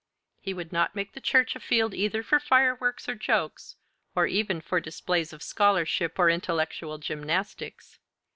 He would not make the church a field either for fireworks or jokes, or even for displays of scholarship or intellectual gymnastics.